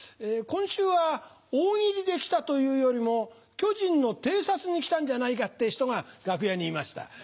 今週は大喜利で来たというよりも巨人の偵察に来たんじゃないかって人が楽屋にいました。